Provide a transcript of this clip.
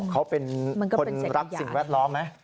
เขาเป็นคนรักสิ่งแวดล้อมไหม